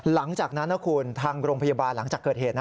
หลังจากนั้นนะคุณทางโรงพยาบาลหลังจากเกิดเหตุ